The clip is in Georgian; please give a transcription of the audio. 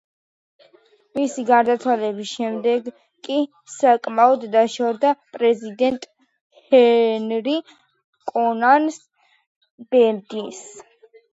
მისი გარდაცვალების შემდეგ კი საკმაოდ დაშორდა პრეზიდენტ ჰენრი კონან ბედის.